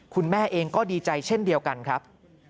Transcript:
คุณแม่เองก็ดีใจเช่นเดียวกันครับ